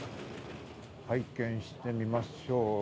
拝見してみましょう。